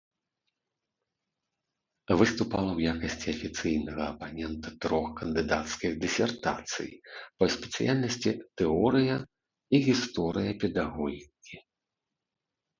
Выступала ў якасці афіцыйнага апанента трох кандыдацкіх дысертацый па спецыяльнасці тэорыя і гісторыя педагогікі.